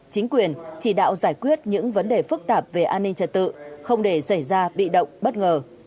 chính quyền chỉ đạo giải quyết những vấn đề phức tạp về an ninh trật tự không để xảy ra bị động bất ngờ